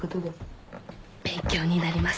勉強になります。